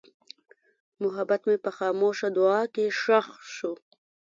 محبت مې په خاموشه دعا کې ښخ شو.